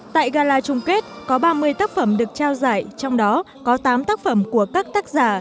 tại gala chung kết có ba mươi tác phẩm được trao giải trong đó có tám tác phẩm của các tác giả